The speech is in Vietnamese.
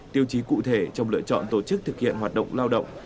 tiêu chí cụ thể trong lựa chọn tổ chức thực hiện hoạt động lao động